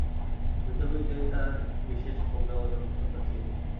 যুদ্ধবিদ্যায় তার বিশেষ প্রজ্ঞা ও দক্ষতা ছিল।